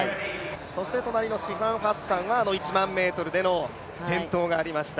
そして隣のシファン・ハッサンは１００００ｍでの転倒がありました。